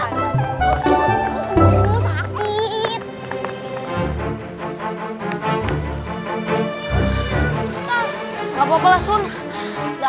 enggak enggak enggak enggak